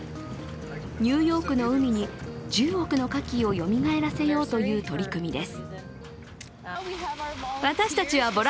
ニューヨークの海に１０億のカキをよみがえらせようという取り組みです。